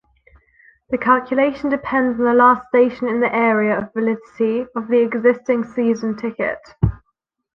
The calculation depends on the last station in the area of validity of the existing season ticket.